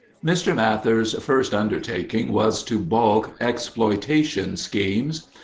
Mr. Mather's first undertaking was to balk exploitation schemes.